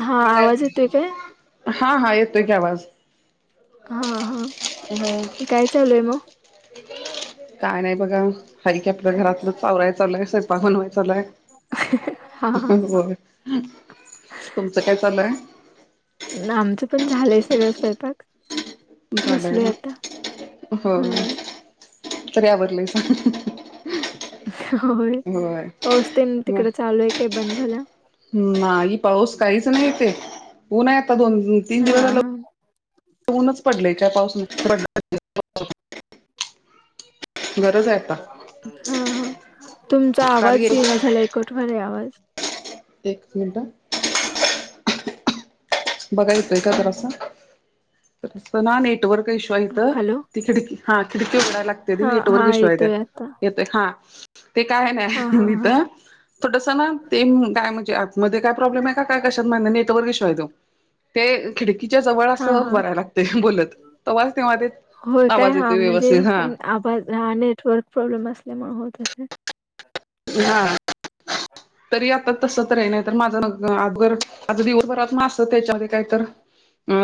हा आवाज येतोय काय? हा हा येतेतोय की आवाज हा हा काय चालूये मग? काय नाही बघा हरी की आपल् घरातलं आवरायच चालूय, स्वयपाक बनवायच चालूय. हा हा होय तुमचं काय चालूय? आमचं पण झालंय सगळ स्वयपाक. झालय ना? होय. हम्म तरी अवरलैसा होय, पाऊसतेन तिकड चालूय काय बंद झाला? नाही पाऊस काहीच नाहीे इथे ऊन आहे आता दोन तीन दिवस हा. झालं ऊनच पडलय काय पाऊस नाई पड गरज आ हा हा, तुमचा काल आवाज गेलो येईना होतो झालाय, कट व्हायलाय आवाज. एक मिनटं बघा येतोय का जरासा जरासंना नेटवर्क इशू आहे इथं. हॅलो ती खिडकी हा खिडकी उगडायला लाग हा हा नेटवर्क इश्यू इथ येतोय आता येत हा ते काय हा हा नाही इथ हा थोडस ना ते काय म्हणजे ऍपमध्ये काय प्रॉब्लेम आहे काय कशात माहित नाय नेटवरक इशू आहे तो. ते खिडकीच्या जवळ हा असं हा हूभारायला लागतय बोलत तवाच तेव्हा ते होय काय आवाज हा येतोय म्हणजे व्यवस्थित हा. आवाज हा नेटवर्क प्रॉब्लेम असल्यामुळे होत असे ना तरी आता तस तर अय नाहीतर माझं अघर आ दिवसभरात ना असतं त्याच्यामध्ये काहीतर अ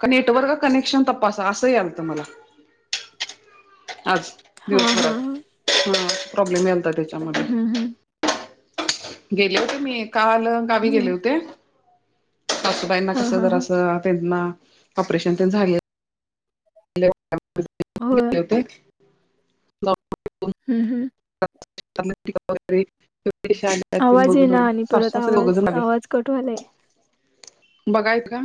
का नेटवर्क का कनेक्शन तप्पासा असं यालत मला आज हा हा हा दिवसभरात हा प्रॉब्लेम यालता त्याच्यामध्ये हम हम गेले होते मी काल गावी हम्म गेले होते. सासूबाईंना हा कसं हा हा जरासं, त्यांना ऑपरेशन तेन झाल [unintelligible] होय होते हम् हम्! [unintelligible] त्यात तेन आवाज बघून येईना आलो, आणि सासू परत सासरे दोघ आवाज जन आवाज कट व्हायलाय. बघाय का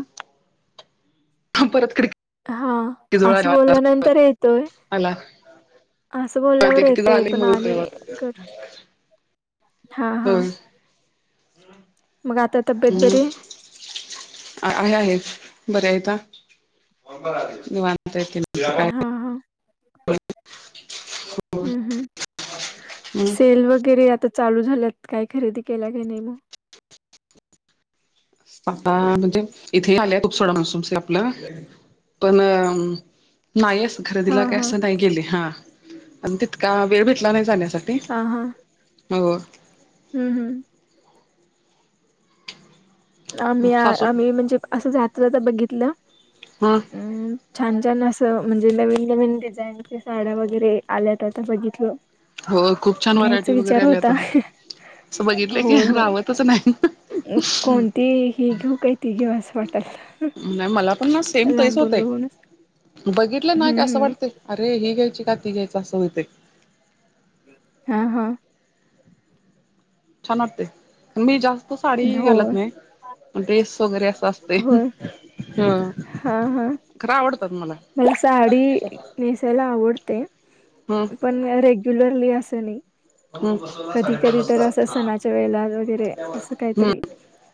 परत खी हा असं बोलल्यानंतर येतोय. आला असं बोलल्यावर ते किती जवळ येतय आले पण मग होते होय आणि कट हा हा होय. [inaudible] मग आता तब्येत हम् बरी आहे? आहे आहे बरे आहेता. निवांतय ते हा हा. [inaudible] हम्म हम्म हम्. सेल वगैरे आता चालू झाल्यात, काही खरेदी केला का नाही मग? आता म्हणजे इथे आले तुपसोडा म्हणसम आपलं पण नाहीस हा खरेदीला काय हा असं नाही गेले हा आणि तितका वेळ भेटला नाही जाण्यासाठी हा हा हो हम्म हम्म आम्ही सासू आम्ही म्हणजे असं जाता जाता बघितलं ह अम छान छान असं म्हणजे नवीन नवीनडिझाईनच्या साड्या वगैरे आल्यात आता बघितलं. हो खूप छान व्हरायटी वगैरे आली आता. अस बघितलं की होय होय. रावतच नाही अं, कोणती ही घेऊ काही ती घेऊ असं वाटल नाही मला पण ना सेम तेच लांबून होतय. बघूनच बघितलं ना का असं हम्म वाटतेय अरे ही घ्यायची का ती घ्यायच असं होतेय. हा ह छान वाटते पन मी जास्त साडी हो घालत नाही. ड्रेस वगैरे असं असतेय होय हम्म ह हा हा खरं आवडतात मला मल साडी नेसायला आवडते. हम्म पण रेग्युलरली असं नयी [unintelligible] सणाच्या वेळेला वगैरे असं हम्म काहीतरी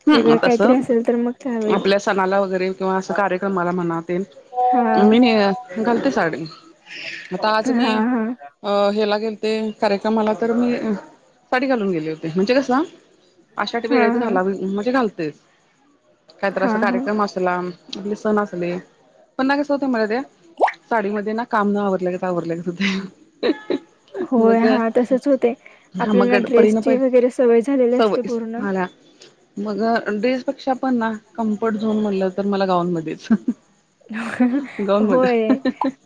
हम्म वेगळं काहीतरी तसं असेल तर म आपल्या सणाला वगैरे किंवा अस कार्यक्रमाला म्हणा ते हा मी घालते साडी आता आज मी हा हा अ हला गेल ते कार्यक्रमाला तर मी साडी घालून गेलते. म्हणजे कस आषाठ हा वेळेत हा घालावे म्हणजे घालतेच. काही हा तरअस हा कार्यक्रम असला आपले सण असले पण ना कसं होतं मला ते साडीमध्ये ना काम न आवरलं गत आवरलं गत होतंय हहह होय मग हा तसच होते हा मग आपल्याला गडपडी ना ड्रेसची पा वगैरे सवय झालेली असते सवय पूर्ण आल्या मग ड्रेस पेक्षा पण ना कम्फर्ट झोन म्हणलं तर मला गाऊनमध्येच हह होय हम होय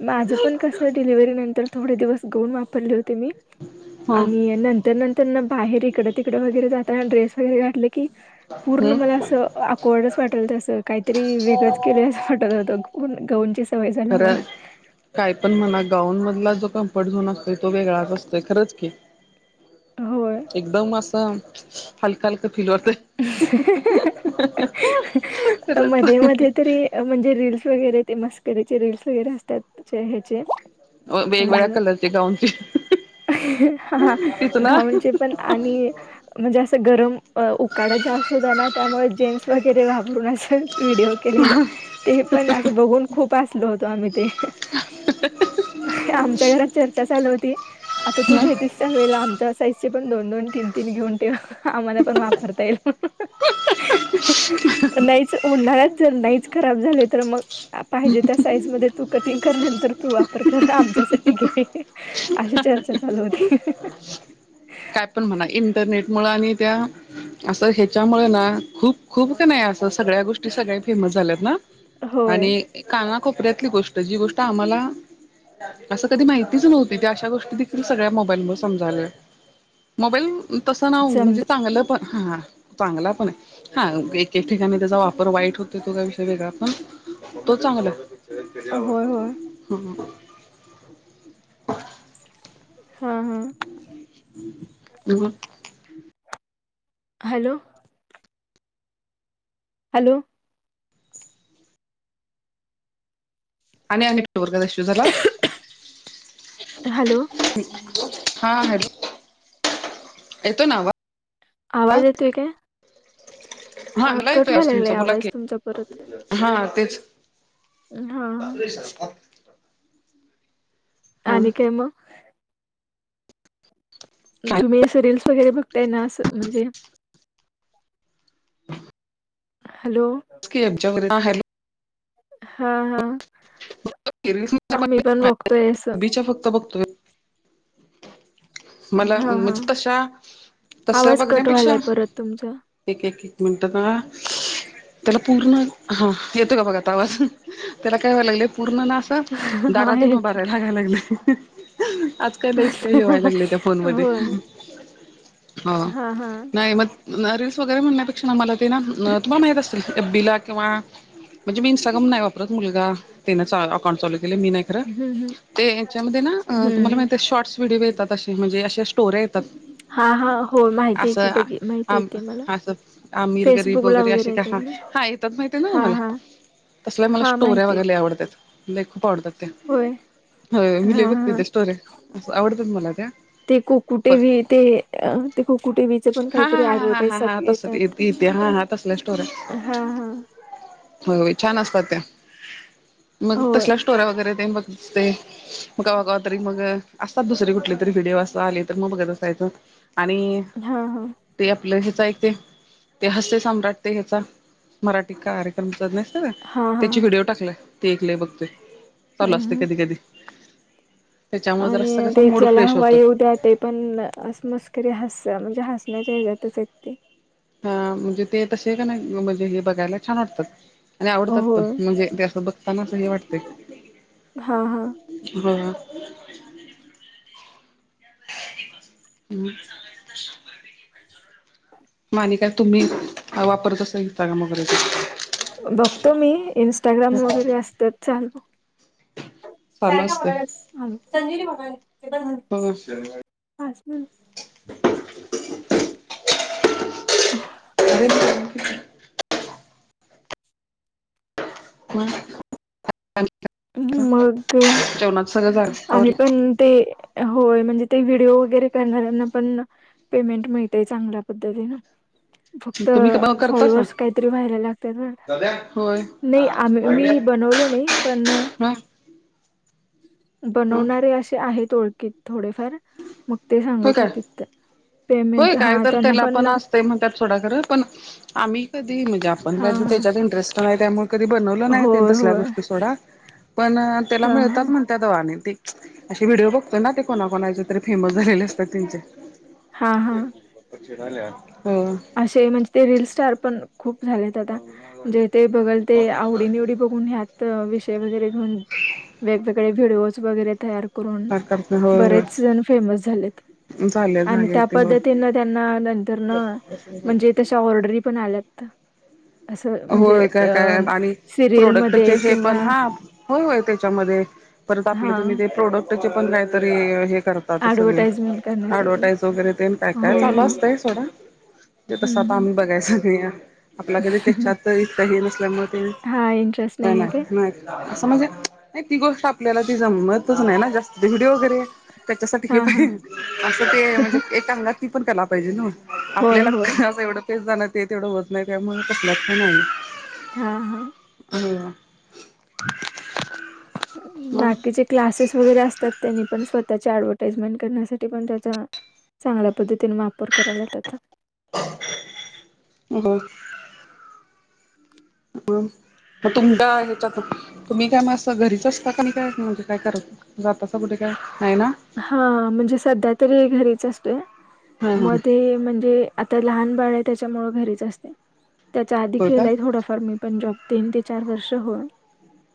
माझं पण कसं डिलिव्ही नंतर थोडे दिवस गोऊन वापरले हो तुम्ही ह आणि नंतर नंतर त्यांना बाहेर इकडं तिकडं वगैरे जाताना ड्रेस वगैरे घातले की पूर्ण हम्म मला असं ऑकवडच वाटेल तसं काहीतरी वेगंळच केलं असं वाटत होतं गाऊन गाऊची स खरंच काय पण म्हणा गाऊन मधला जो कम्फर्ट झोन असतो तो वेगळाच असतोय खरंच की हो एकदम असं हलका हलका फील होतय. हहहहह मस्त मस्त हहह तरी म्हणजे रीलस वगैरे ते मस्करीचे रीलल्स वगैरे असतात त्याचे ह्याचे अ वेगवेगळ्या कलरचे गाऊनची ह हाहा तिथ ना घाऊनचे पण आणि म्हणजे असं गरम उकाडा जास्त होता ना त्यामुळे जेन्स वगैरे वापरून नाही शक व्हिडिओ केलेलं ते पण असं बघून खूप हसलो होतो आम्ही ते. आमच्या घरात चर्चा चालू होती आता तू घेेतस स वळेला आ त्या साईजचे पण दोन दोन तीन तीन घेऊन ठेवा. आम्हाला पण वापरता येईल नाहीच उन्हाळच नाहीच खराब झाले तर मग पाहिजे त्या साईज मध्ये तु कटिंग करनंतर तू वापर कर आमच्यासाठी घे अशी चर्चा चालू होती. काय पण म्हणा इंटरनेट मुळ आणि त्या असं ह्याच्यामुळे ना खूप खूप का नाही अस सगळ्या गोष्टी, सगळ्या फेमस झाल्यात ना होय आणि कानाकोपऱ्यातली गोष्ट जी गोष्ट आम्हाला असं कधी माहितीच नव्हती ते अशा गोष्टी देखील सगळ्या मोबाईल म समजालोय. मोबाईल तसं ना म्हणजे, समज चांगलं पण हा चांगला पणे. हा एक- एक ठिकाणी त्याचा वापर वाईट होतोय, तो काय विषय वेगळा, पण तो चांगला श कना होय होय ब [unintelligible] हां हां. हम्. हॅलो. हॅलो. हॅलो [unintelligible] हा हॅल. येतोय ना आवा. आवाज येतोय काय? हा आं मला कट येतोय व्हाय लागलाय तुमचा बोला आवाज की तुमचा परत. हा तेच. हम्म. [unintelligible] हा आणि काय मग? तुम्ही असं रीलस वगैरे बघताय ना असं म्हणजे हॅलो. [unintelligible] हा हा मी पण बघतोयस. बीच्या फक्त बघतोय. मला हा हा म्हणजे तशा तस आवाज कट बघण्यापेक्षा व्हायलाय परत तुमचा एक एक एक मिनटात त्याला पूर्ण हा येतो का बघा आता वाजून त्याला काय व्हाय लागले पूर्ण ना. दारातून आहेत. उभारयला लागयला लागले आज काय बेस काही हेवाय लागले ते मध्ये होय. हां नाही रिल्स वगैरे म्हणण्यापेक्षा न मला ते ते ना तुम्हाला माहीत असतील एफ बीला किंवा म्हणजे मी इंस्टाग्राम नाही वा. परत मुलगा त्यानेच अकाउंट चालू केलय मी नाही. हं, हं. च्यामध्ये ना तुम्हाला हं. माहि शॉर्ट्स व्हिडिओ येतात असे म्हणजे अशा स्टोर्या तप हां, हां. हो माहिती आहे आस की बघी माहिती आहे आम ते मला. आमिर गरीब फेसबुकला वगैरे असे का ह येतात ना? हा. त्यात माहिती आहे ना हां, तम्हाला हां. तसल्या मला हां, स्टोऱ्या माहिती आहेत. वगैरे आवडतात. खूप आवडतात त्या होय. हो मी लि हां, बघते ते हां. स्टोरे आवडतात मला त्या ते कुक. कुठे पण बी ते ख कुठे बीचे पण काहीतरी ऍडवर टाईज साठी इतिहासात तसले स्टोर. हां. व्हय व्हय छान असतात त्या मग होय. तसल्या स्टोऱ्या वगैरे ते बघ. ते मग कावागा तरी मग असतात दुसरी कुठली तरी व्हिडिओ असं आले तर मग बघत असायचं आणि हम्म हम्म. ते आपलं ह्याचा एक ते ते हस्य सम्राट ते ह्याचा मराठी कार सत हां, त्याची हां. व्हिडिओ टाकलाय ते ऐकय बघते. हं, चालू असतय हं. कधी कधी. त्याच्यामुळे जरासा आणि कसा ते मूड चला फ्रेश हवं. होतोय. उद्यात पण अस मस्करी हस म्हणजे हसण्याच्या ह्याज्यातचय ते. हा म्हणजे ते तसे आहे का नाही म्हणजे हे बघायला छान वाटतात. आणि आवडतात पण होय. म्हणजे ते असं बघताना अस हे वाटतय. हां, हां. बोला. माण काय तुम्ही वापरत असा इता का मगरे बघतो मी इंस्टाग्राम वगैरे असतात चालू. चालू सारख असते बघायला संजीनी बघायला ते पण वो शेट [unintelligible] [unintelligible] [inaudible] मग मग जेवणात सगळं झालं आम्ही आवरलं पण ते होय म्हणजे ते व्हिडिओ वगैरे करणाऱ्यांना पण पेमेंट मिळतेय. चांगल्या पद्धतीनं. [inaudible] फक्त तुम्ही करतासा फॉलोअर्स काहीतरी व्हायला लागतात बर का. होय नाही आ मी बनवलो नाही. पण ह ह बनवणारे असे आहेत ओळखीत थोडेफार. मग ते होय सांगत काय? होते. पेमेंट हा त्यांना पण ते म्हणतात सोडा खर. पण आम्ही कधी म्हणजे आपण हा कधी हा त्याच्यात इंटरेस्ट नाही. त्यामुळे कधी बनवल नाही तेन होय तसल्या होय गोष्टी सोडा. पण त्याला हा हा मिळतात म्ह व्हिडिओ बघतो ना ते कोणा कोणाचे तरी फेमस झालेले असतात त्यांचे. हा हा हो असे म्हणजे ते रील स्टार पण खूप झालेत आता. जे ते बघल ते आवडी निवडी बघु बघुन यात विषय वगैरे घेऊन, वेगवेगळे व्हिडिओ वगैरे तयार करून करते होय बरेच होय जण फेमस झालेत. झाले आणि झाले त्या ते हो पद्धतीनं त्यांना नंतर न म्हणजे तशा ऑर्डरी पण आल्यात. असं म्हणजे होय काय अ काय आणि प्रोडक्टचे सिरियलमध्ये हे किंवा पण हा होय त्याच्यामध्ये. परत आपल हा तुम्ही ते प्रोडक्टचे पण काहीतरी हे कर आता सगळे ऍडव्हटाइजमेंट करण्यासाठी आडवटाईज वगैरे तेन काय काय होय चालू होय असतय सोडा. तस आता हम्म आम्ही बघायच नाही. आपल्या कधी हम्म त्याच्यात इतका हे नसल्यामुळे हम्म हा इंटरेस्ट काय नाही आहे माहित. नाय असं म्हणजे नाही ती गोष्ट आपल्याला ती जमतच नाही ना जास्त. व्हिडिओ घे त्याच्यासाठी हे हा हा पाहिजे असं ते म्हणजे एक अंगात ती पण कला पाहिजे ना. होय आपल्याला होय अस एवढ पेस जाणार नाही. तेवढं होत नाही त्यामुळे कसल्याच का नाही हा हा हम्म बाकीचे क्लासेस वगैरे असतात त्यांनी पण स्वतःच्या ऍडव्हटाइजमेंट करण्यासाठी पण त्याचा चांगल्या पद्धतीने वापर करायला त्याचा. [unintelligible] मग तुम ह्याच्यातून तुम्ही काय म आस घरीच असता का नाही काय अस म्हणजे काय करता? जातासा कुठे काय. नाही ना. हा म्हणजे सध्या तरी घरीच असतोय. हा म हा ते म्हणजे आता लहान बाळ आहे त्याच्यामुळ घरीच असते. त्याच्या आधी होय का केलंय थोडाफार मी. पण जॉब. तीन ते चार वर्ष हो.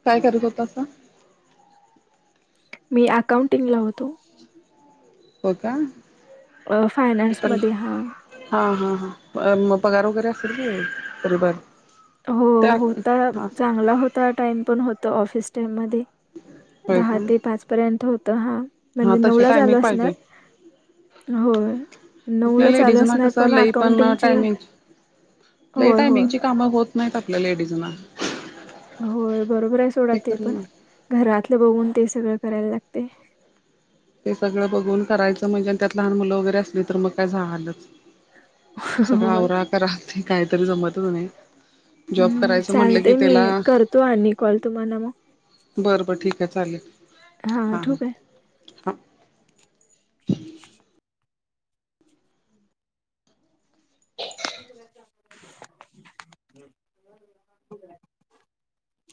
काय करत होतासा. मी अकाउंटिंगला होतो. होय का अ फायनान्स तर मध्ये हा हा हा हा म पगार वैगेरे असेल कि तरीपण. हो होता. चांगला होता. टाइम पण होतो ऑफिस टाइम मध्ये. होय दहा का ते पाच पर्यंत होत. हा हा म्हणजे नऊ तशी ला टायमिंग चालू असणार. पाहिजे होय. आपल्या नऊला चालू लेडीजना असणार पण अकाउंटिंगची लय होय, होय. टायमिंगची कामं होत नाहीत आपल्या लेडीजना. होय बरोबर आहे सोडा ते पण. घरातल बघून ते सगळ करायला लागतय. ते सगळं बघून करायचं म्हणजे आणि त्यात लहान मुलं वगैरे असली तर मग काय झालच. सगळं होय. आवरा करा ते कांहीतरी जमंतच नई. जॉब हं, करायचं म्हटलं की, चालतंय त्याला मी करतो आणि कॉल तुम्हाला मग. बरं बर ठीक आहे चालेल. हा ठेऊ काय? हा. [unintelligible] हो [unintelligible]